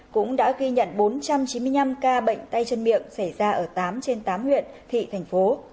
cũng đã ghi nhận bốn trăm chín mươi năm ca bệnh tay chân miệng xảy ra ở tám trên tám huyện thị thành phố